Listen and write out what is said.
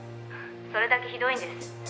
それだけひどいんです」